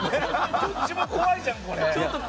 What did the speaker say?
どっちも怖いじゃん、これ。